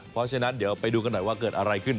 เพราะฉะนั้นเดี๋ยวไปดูกันหน่อยว่าเกิดอะไรขึ้น